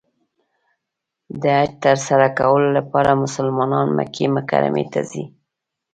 د حج تر سره کولو لپاره مسلمانان مکې مکرمې ته ځي .